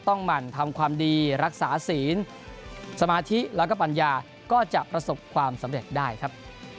หมั่นทำความดีรักษาศีลสมาธิแล้วก็ปัญญาก็จะประสบความสำเร็จได้ครับ